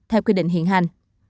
theo quy định hiện hành